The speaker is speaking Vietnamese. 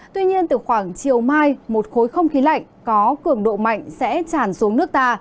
tuy nhiên từ khoảng chiều mai một khối không khí lạnh có cường độ mạnh sẽ tràn xuống nước ta